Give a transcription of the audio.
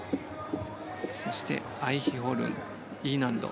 そしてアイヒホルン、Ｅ難度。